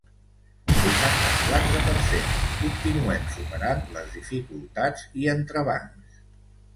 Vuitanta-quatre per cent Continuem superant les dificultats i entrebancs.